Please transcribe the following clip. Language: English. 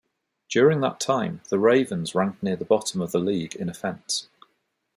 During that time, the Ravens ranked near the bottom of the league in offense.